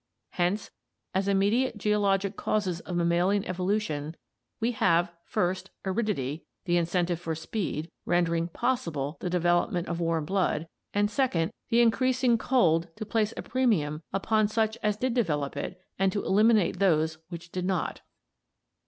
Hence as immediate geologic causes of mam malian evolution we have, first, aridity, the incentive for speed, rendering possible the development of warm blood, and second, the increasing cold to place a premium upon such as did develop it and to eliminate those which did not.